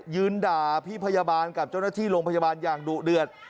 ยืนด่าพี่พยาบาลกับเจ้าหน้าที่โรงพยาบาลอย่างดุเดือด